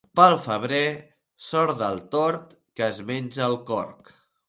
Pel febrer, sort del tord, que es menja el corc.